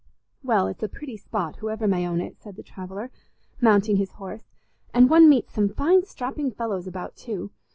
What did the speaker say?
"Well, it's a pretty spot, whoever may own it," said the traveller, mounting his horse; "and one meets some fine strapping fellows about too.